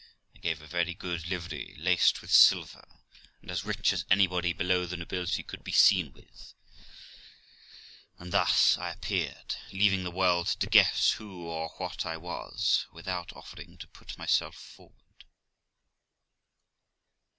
I gave a very good livery, laced with silver, and as rich as anybody below the nobility could be seen with ; and thus I appeared, leaving the world to guess who or what I was, without offering to put myself forward.